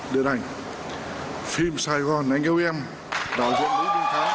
đành phim sài gòn anh yêu em đạo diễn bố vinh thái